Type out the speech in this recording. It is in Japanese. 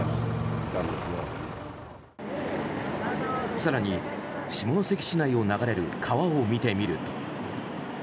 更に下関市内を流れる川を見てみると。